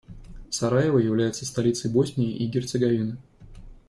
Сараево является столицей Боснии и Герцеговины.